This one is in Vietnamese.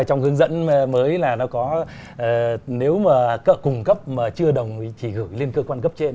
trong hướng dẫn mới là nó có nếu mà cựa cung cấp mà chưa đồng ý thì gửi lên cơ quan cấp trên